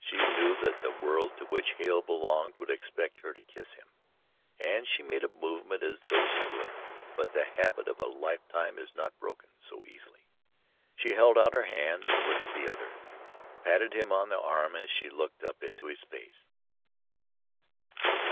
She knew that the world to which Hale belonged would expect her to kiss him, and she made a movement as though she would, but the habit of a lifetime is not broken so easily. She held out her hand, and with the other patted him on the arm as she looked up into his face.